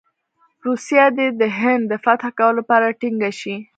روسیه دې د هند د فتح کولو لپاره ټینګه شي.